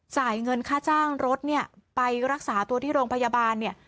จ่ายเงินค่าจ้างรถเนี่ยไปรักษาตัวที่โรงพยาบาลเนี่ย